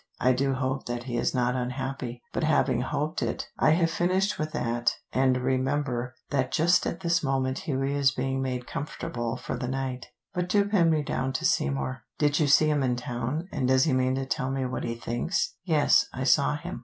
I do hope that he is not unhappy, but having hoped it, I have finished with that, and remember that just at this moment Hughie is being made comfortable for the night. But do pin me down to Seymour. Did you see him in town, and does he mean to tell me what he thinks?" "Yes, I saw him.